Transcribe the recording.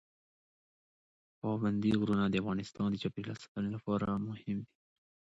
پابندي غرونه د افغانستان د چاپیریال ساتنې لپاره مهم دي.